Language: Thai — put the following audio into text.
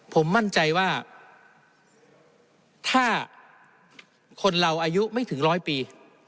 ผมมั่นใจว่าถ้าคนเราอายุไม่ถึงร้อยปี